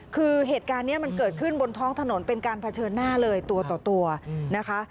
คือเหตุการณ์นี้มันเกิดขึ้นบนท้องถนนเป็นการเผชิญหน้าเลยตัวต่อตัวนะคะ